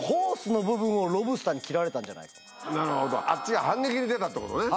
なるほどあっちが反撃に出たってことね。